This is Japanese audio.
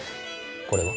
これは？